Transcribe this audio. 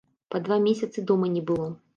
Па два месяцы дома не было.